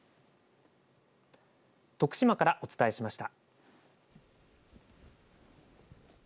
徳島からお伝えしました。